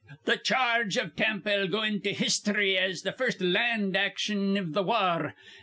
"Th' charge iv Tampa'll go into histhry as th' first land action iv th' war.